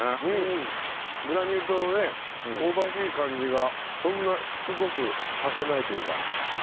グラニュー糖のね香ばしい感じがそんなしつこくさせないというか。